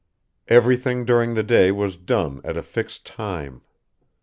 Everything during the day was done at a fixed time.